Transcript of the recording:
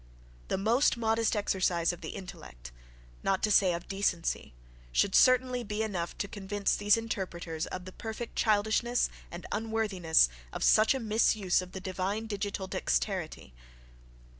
The most modest exercise of the intellect, not to say of decency, should certainly be enough to convince these interpreters of the perfect childishness and unworthiness of such a misuse of the divine digital dexterity.